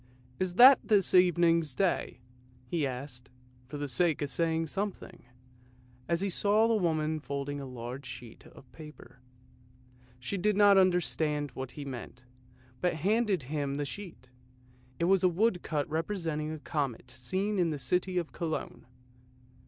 " Is that this evening's Day?" he asked, for the sake of saying something, as he saw the woman folding a large sheet of paper. She did not understand what he meant, but handed him the sheet. It was a woodcut representing a comet seen in the city of Cologne.